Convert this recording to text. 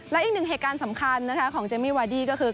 และอีกหนึ่งเหตุการณ์สำคัญนะคะของเจมมี่วาดี้ก็คือ